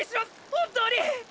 本当に！！